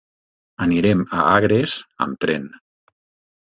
Anirem a Agres amb tren.